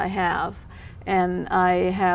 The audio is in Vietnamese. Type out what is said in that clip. khoảng hai năm